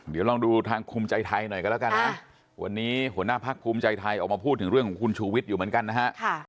เดี๋ยวลองดูทางภูมิใจไทยหน่อยกันแล้วกันนะวันนี้หัวหน้าพักภูมิใจไทยออกมาพูดถึงเรื่องของคุณชูวิทย์อยู่เหมือนกันนะฮะ